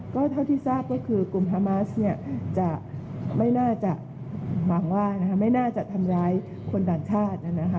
ก็เท่าที่ทราบก็คือกลุ่มฮามาสเนี่ยจะไม่น่าจะหวังว่าไม่น่าจะทำร้ายคนต่างชาตินะคะ